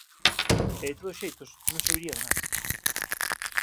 E de todos os xeitos, non serviría de nada.